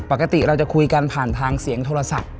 ปกติเราจะคุยกันผ่านทางเสียงโทรศัพท์